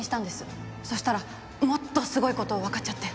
そしたらもっとすごい事わかっちゃって。